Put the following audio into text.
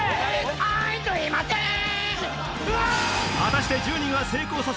あいとぅいまてん！